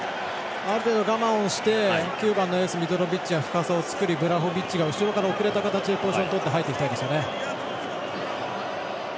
ある程度我慢して９番のエース、ミトロビッチが深さを作りブラホビッチが遅れてポジションとって入っていきたいですよね。